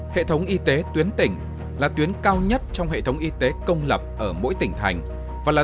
hệ thống y tế tuyến tỉnh là tuyến cao nhất trong hệ thống y tế công lập ở mỗi tỉnh thành và là